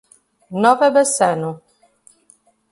Nova Bassano